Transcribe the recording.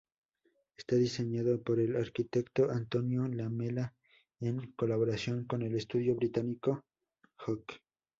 Está diseñado por el arquitecto Antonio Lamela en colaboración con el estudio británico Hook.